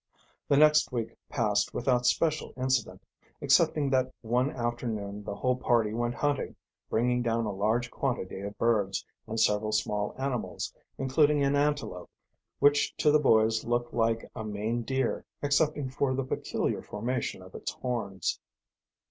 The next week passed without special incident, excepting that one afternoon the whole party went hunting, bringing down a large quantity of birds, and several small animals, including an antelope, which to the boys looked like a Maine deer excepting for the peculiar formation of its horns.